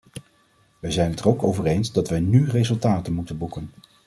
Wij zijn het er ook over eens dat wij nú resultaten moeten boeken.